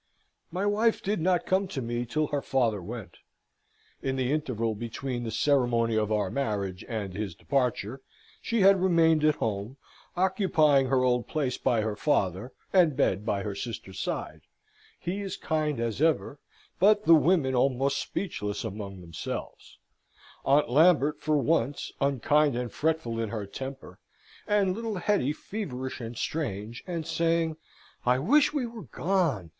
My wife did not come to me till her father went: in the interval between the ceremony of our marriage and his departure, she had remained at home, occupying her old place by her father, and bed by her sister's side: he as kind as ever, but the women almost speechless among themselves; Aunt Lambert, for once, unkind and fretful in her temper; and little Hetty feverish and strange, and saying, "I wish we were gone.